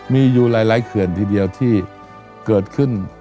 มีอยู่หลายเขื่อนทีเดียวที่เกิดขึ้น